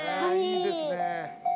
いいですね。